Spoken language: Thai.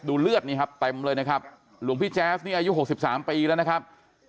เลือดนี่ครับเต็มเลยนะครับหลวงพี่แจ๊สนี่อายุ๖๓ปีแล้วนะครับ